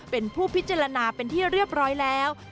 เป็นผู้พิจารณาเป็นที่เรียบร้อยแล้ว